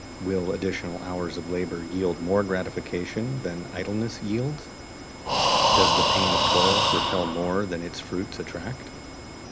Will additional hours of labor yield more gratification than idleness yields? Does the pain of toil repel more than its fruits attract?